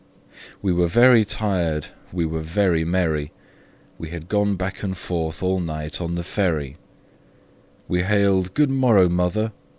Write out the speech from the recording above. We were very tired, we were very merry, We had gone back and forth all night on the ferry, We hailed "Good morrow, mother!"